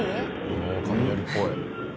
雷っぽい。